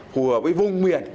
phù hợp với vùng miền